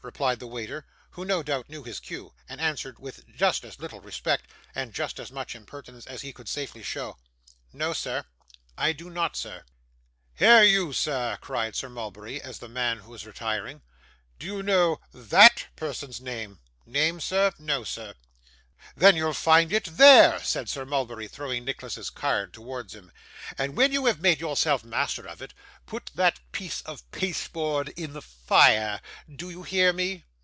replied the waiter, who, no doubt, knew his cue, and answered with just as little respect, and just as much impertinence as he could safely show: 'no, sir, I do not, sir.' 'Here, you sir,' cried Sir Mulberry, as the man was retiring; 'do you know THAT person's name?' 'Name, sir? No, sir.' 'Then you'll find it there,' said Sir Mulberry, throwing Nicholas's card towards him; 'and when you have made yourself master of it, put that piece of pasteboard in the fire do you hear me?